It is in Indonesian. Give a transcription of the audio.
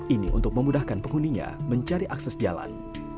ini untuk memudahkan penghuninya mencari akses jalan